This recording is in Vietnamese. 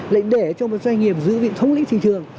lại để cho một doanh nghiệp giữ vị thống lĩnh thị trường